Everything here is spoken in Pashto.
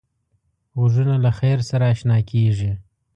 غوږونه له خیر سره اشنا کېږي